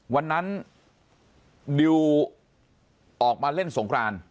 วันนั้นดิวออกมาเล่นสงคราน